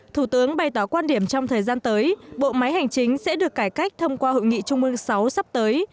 thủ tướng bày tỏ quan điểm trong thời gian tới bộ máy hành chính sẽ được cải cách thông qua hội nghị trung ương sáu sắp tới